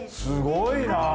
すごいな！